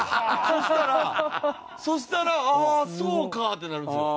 そしたらそしたらああそうかってなるんですよ。